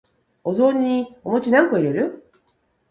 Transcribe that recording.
お雑煮にお餅何個入れる？